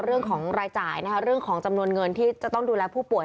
เรื่องของรายจ่ายนะคะเรื่องของจำนวนเงินที่จะต้องดูแลผู้ป่ว